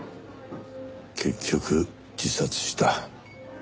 結局自殺した。